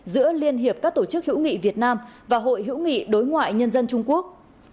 giữa liên hiệp các tổ chức hữu nghị việt nam và hội hữu nghị đối ngoại nhân dân trung quốc